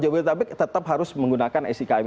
jabodetabek tetap harus menggunakan sikm